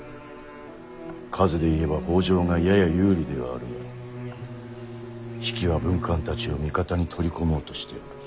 数で言えば北条がやや有利ではあるが比企は文官たちを味方に取り込もうとしておる。